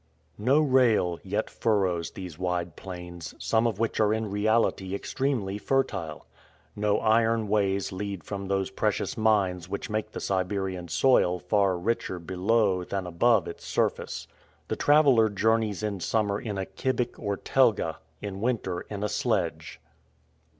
No rail yet furrows these wide plains, some of which are in reality extremely fertile. No iron ways lead from those precious mines which make the Siberian soil far richer below than above its surface. The traveler journeys in summer in a kibick or telga; in winter, in a sledge.